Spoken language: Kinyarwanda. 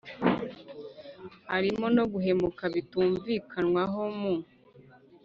harimo no gukemura ibitumvikanwaho mu